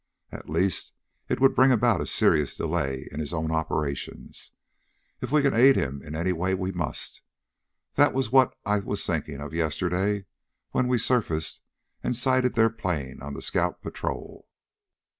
At least it would bring about a serious delay in his own operations. If we can aid him in any way, we must. That was what I was thinking of yesterday when we surfaced and sighted their plane on scout patrol."